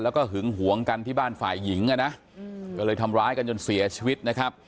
แล้วก็หึงหวงกันที่บ้านฝ่ายหญิงอ่ะนะก็เลยทำร้ายกันจนเสียชีวิตนะครับ